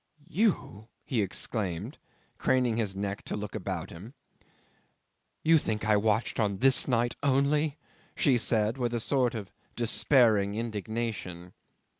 "You!" he exclaimed, craning his neck to look about him. "You think I watched on this night only!" she said, with a sort of despairing indignation.